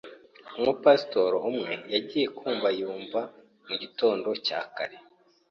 umupasitoro umwe yagiye kumva yumva mu gitondo cya kare